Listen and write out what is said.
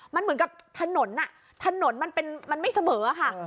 มันเหมือนกับถนนถนนมันไม่เสมอค่ะ